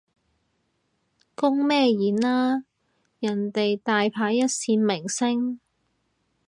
公乜嘢演啊，人哋大牌一線明星